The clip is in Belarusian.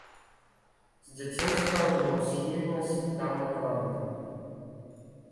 З дзяцінства меў схільнасць да малявання.